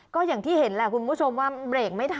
ก็อย่างที่เห็นแหละคุณผู้ชมว่าเบรกไม่ทัน